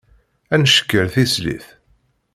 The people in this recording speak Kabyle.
Ad ncekker tislit.